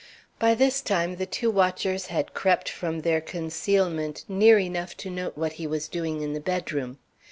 By this time the two watchers had crept from their concealment near enough to note what he was doing in the bedroom.